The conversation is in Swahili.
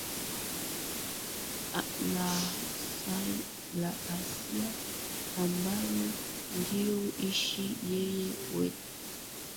La Asia ambayo ndiyo nchi yenye watu wengi kuliko zote duniani